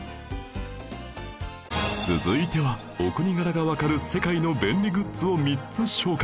続いてはお国柄がわかる世界の便利グッズを３つ紹介